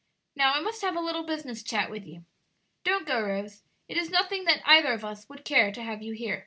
Now, I must have a little business chat with you. Don't go, Rose; it is nothing that either of us would care to have you hear."